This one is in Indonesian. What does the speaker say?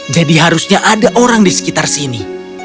jadi seharusnya ada orang di sekitar sini